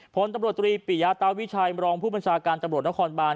ผลตำรวจตรีปิยาตาวิชัยรองผู้บัญชาการตำรวจนครบาน